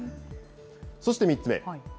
そして３つ目。